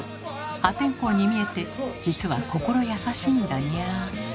破天荒に見えて実は心優しいんだにゃ。